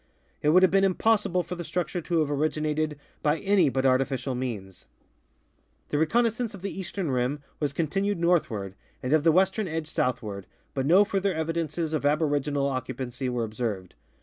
It would have been impossible for tlie structure to have originated by any but artificial means. THE ENCHANTED MESA 281 The reconnaissance of the eastern rim was continued north ward and of the western edge sovithward, but no further evi dences of aboriginal occupancy were observed.